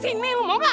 sini lu mau gak